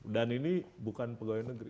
dan ini bukan pegawai negeri